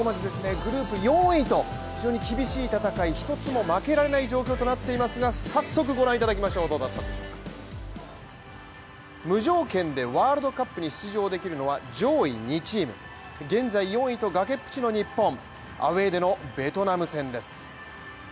グループ４位と非常に厳しい戦い一つも負けられない状況となっていますが早速ご覧いただきましょう無条件でワールドカップに出場できるのは上位２チーム、現在４位と崖っぷちの日本、アウェーでのベトナム戦です。